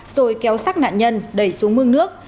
rồi kéo sát nạn nhân đẩy xuống mương nước